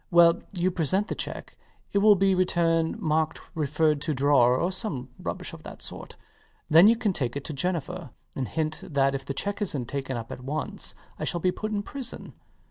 Well, you present the cheque. It will be returned marked "refer to drawer" or some rubbish of that sort. Then you can take it to Jennifer, and hint that if the cheque isnt taken up at once I shall be put in prison.